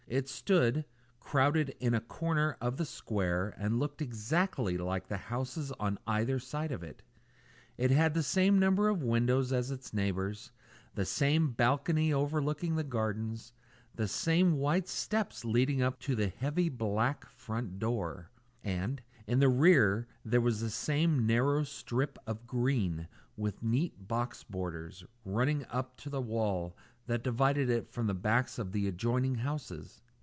It stood, crowded into a corner of the square, and looked exactly like the houses on either side of it. It had the same number of windows as its neighbours; the same balcony overlooking the gardens; the same white steps leading up to the heavy black front door; and, in the rear, there was the same narrow strip of green, with neat box borders, running up to the wall that divided it from the backs of the adjoining houses.